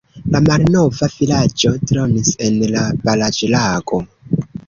La malnova vilaĝo dronis en la baraĵlago.